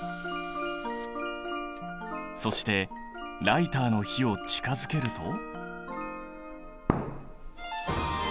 そしてライターの火を近づけると。